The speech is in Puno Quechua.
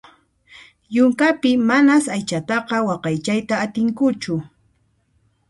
Yunkapiqa manas aychataqa waqaychayta atinkuchu.